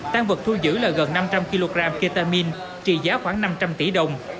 tăng vật thu giữ là gần năm trăm linh kg ketamine trị giá khoảng năm trăm linh tỷ đồng